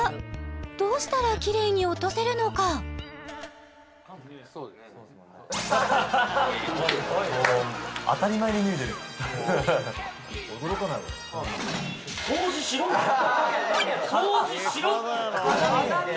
どうしたらキレイに落とせるのか掃除しろって！